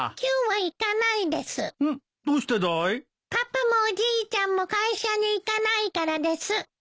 パパもおじいちゃんも会社に行かないからです。